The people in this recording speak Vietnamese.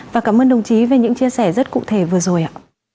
và cảm ơn đồng chí về những chia sẻ rất cụ thể vừa rồi ạ